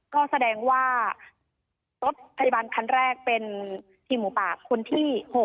ก็แสดงว่ารถพยาบาลคันแรกเป็นทีมหมูป่าคนที่๖